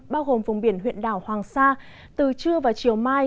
bao gồm vùng biển huyện đảo hoàng sa từ trưa và chiều mai